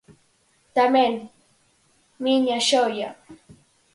Tamén ¡miña xoia!